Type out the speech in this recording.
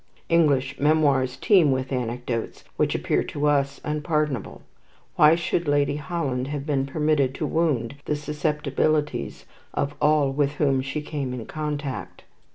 English memoirs teem with anecdotes which appear to us unpardonable. Why should Lady Holland have been permitted to wound the susceptibilities of all with whom she came in contact?